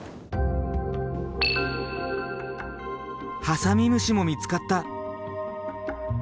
ハサミムシも見つかった。